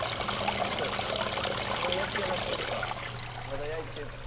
ちょっともう焼き上がってるかまだ焼いて？